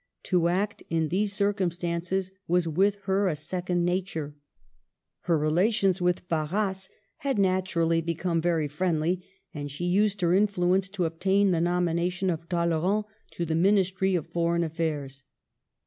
To act, in these circumstances, was with her a second nature. Her relations with Barras had naturally become very friendly ; and she used her influence to obtain the nomination , of Talleyrand to the Ministry of Foreign Affairs.